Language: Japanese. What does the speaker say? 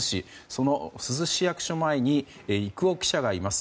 その珠洲市役所前に幾老記者がいます。